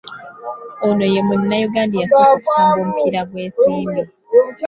Ono ye Munnayuganda eyasooka okusamba omupiira gw’ensimbi.